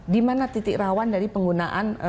dimana titik rawan dari penggunaan